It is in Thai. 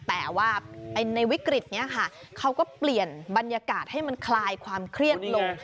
แต่ว่าในวิกฤตนี้ค่ะเขาก็เปลี่ยนบรรยากาศให้มันคลายความเครียดลง